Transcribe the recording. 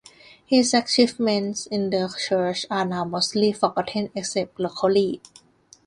His achievements in the Church are now mostly forgotten, except locally.